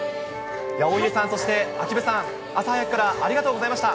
大家さん、そして秋辺さん、朝早くからありがとうございました。